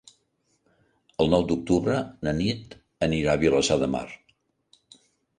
El nou d'octubre na Nit anirà a Vilassar de Mar.